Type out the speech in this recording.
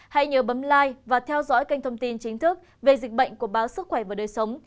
hãy nhớ bấm lai và theo dõi kênh thông tin chính thức về dịch bệnh của báo sức khỏe và đời sống